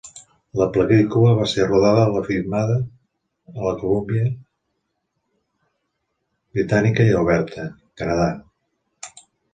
La pel·lícula va ser rodada a la filmada a la Columbia britànica i Alberta, Canadà.